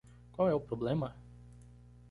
Qual é o problema?